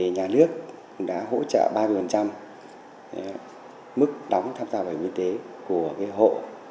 nhà nước đã hỗ trợ ba mươi mức đóng tham gia bài viên tế của hộ